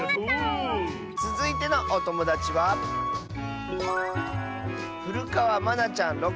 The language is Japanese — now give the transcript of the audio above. つづいてのおともだちはまなちゃんの。